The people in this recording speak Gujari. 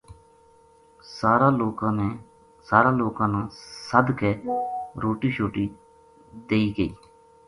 سارا لوکاں نا سَد کے روٹی شوٹی دئی گئی